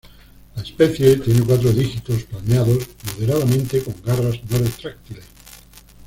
La especie tiene cuatro dígitos palmeados moderadamente con garras no retráctiles.